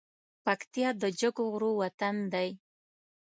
پکتيا د جګو غرو وطن دی